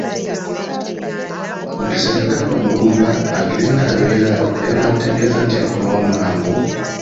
Mukisa yagamba Mulumba agire nga abeera awo era n'amutegeeza nti akomawo mangu.